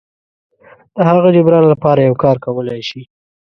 د هغه جبران لپاره یو کار کولی شي.